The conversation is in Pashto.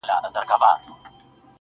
دي مــــړ ســي,